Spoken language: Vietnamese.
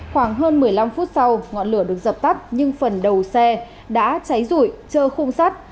khoảng hơn một mươi năm phút sau ngọn lửa được dập tắt nhưng phần đầu xe đã cháy rụi trơ khung sắt